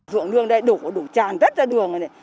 ruộng đường đây đổ tràn rất ra đường rồi này